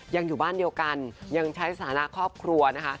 ยังอยู่บ้านเดียวกันยังใช้สถานะครอบครัวนะคะ